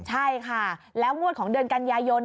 ใช่ค่ะแล้วงวดของเดือนกันยายน